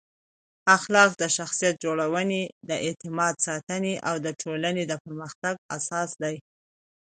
اخلاق د شخصیت جوړونې، د اعتماد ساتنې او د ټولنې د پرمختګ اساس دی.